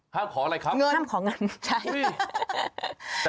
ห้ามขออะไรครับห้ามขอเงินใช่อุ๊ยแต่